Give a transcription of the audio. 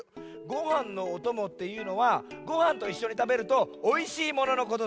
「ごはんのおとも」っていうのはごはんといっしょにたべるとおいしいもののことだよ。